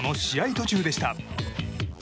途中でした。